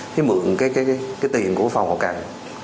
thì mượn cái tiền của phòng họ cần